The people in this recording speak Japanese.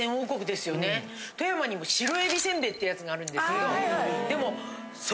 富山にも白えびせんべいっていうやつがあるんですけどでもそれ。